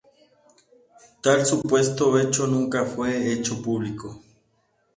Tal supuesto hecho nunca fue hecho público.